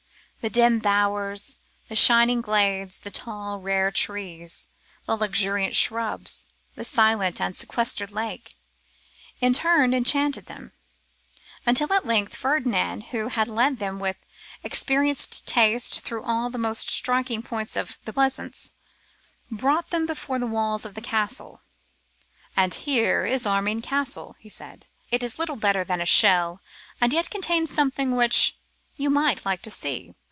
The dim bowers, the shining glades, the tall rare trees, the luxuriant shrubs, the silent and sequestered lake, in turn enchanted them, until at length, Ferdinand, who had led them with experienced taste through all the most striking points of the pleasaunce, brought them before the walls of the castle. 'And here is Armine Castle,' he said; 'it is little better than a shell, and yet contains something which you might like to see.